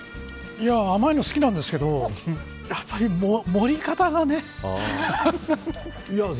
甘いの好きなんですけど盛り方がね。